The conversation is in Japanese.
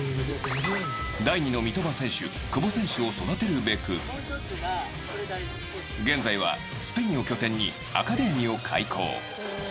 第２の三笘選手、久保選手を育てるべく現在はスペインを拠点にアカデミーを開講。